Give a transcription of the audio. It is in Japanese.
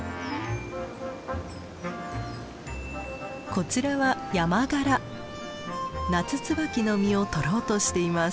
こちらはナツツバキの実を取ろうとしています。